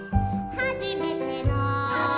「はじめての」